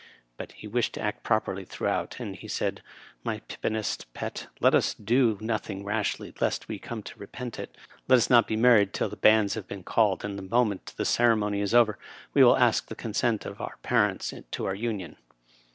But he wished to act properly throughout, and he said :" My pippinest pet, let us do Digitized by VjOOQIC RILEY, M.P. 175 nothing rashly, lest we come to repent it. Let ns not be married till the bands have been called, and the moment the ceremony is over we will ask the consent of our par ents to our union."